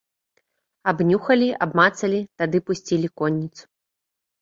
Абнюхалі, абмацалі, тады пусцілі конніцу.